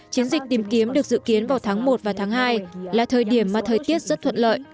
chiến dịch tìm kiếm được dự kiến vào tháng một và tháng hai là thời điểm mà thời tiết rất thuận lợi